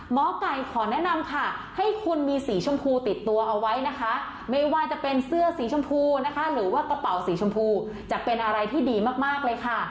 หมอไก่ขอแนะนำค่ะให้คุณมีสีชมพูติดตัวเอาไว้นะคะไม่ว่าจะเป็นเสื้อสีชมพูนะคะหรือว่ากระเป๋าสีชมพูจะเป็นอะไรที่ดีมากเลยค่ะ